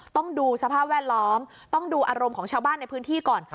ต้องดูสภาพแวดล้อมต้องดูอารมณ์ของชาวบ้านในพื้นที่ก่อน